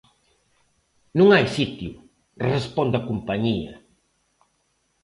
Non hai sitio, responde a compañía.